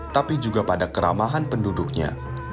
tapi juga pada keramahan penduduknya